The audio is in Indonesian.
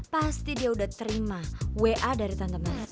pasti dia udah terima wa dari tante mereka